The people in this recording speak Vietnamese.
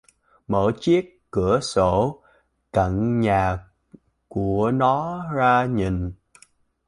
Mở chiếc cửa sổ căn nhà của nó ra nhìn